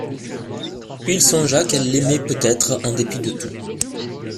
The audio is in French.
Puis il songea qu'elle l'aimait peut-être en dépit de tout.